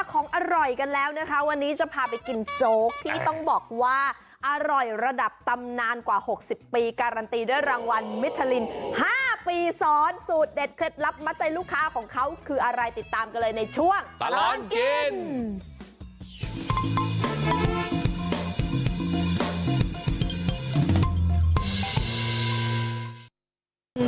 ของอร่อยกันแล้วนะคะวันนี้จะพาไปกินโจ๊กที่ต้องบอกว่าอร่อยระดับตำนานกว่า๖๐ปีการันตีด้วยรางวัลมิชลิน๕ปีซ้อนสูตรเด็ดเคล็ดลับมัดใจลูกค้าของเขาคืออะไรติดตามกันเลยในช่วงตลอดกิน